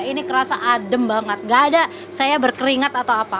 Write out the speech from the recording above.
ini kerasa adem banget gak ada saya berkeringat atau apa